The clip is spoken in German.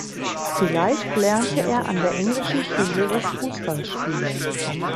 Vielleicht lernte er an der englischen Schule das Fußballspielen.